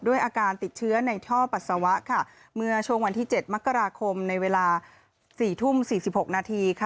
ด้วยอาการติดเชื้อในท่อปัสสาวะค่ะเมื่อช่วงวันที่๗มกราคมในเวลา๔ทุ่ม๔๖นาทีค่ะ